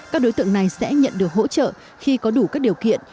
các đối tượng này sẽ nhận được hỗ trợ khi có đủ các điều kiện